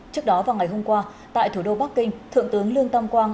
trước đó vào ngày hôm qua tại thủ đô bắc kinh thượng tướng lương tam quang